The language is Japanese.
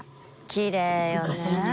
きれいよね。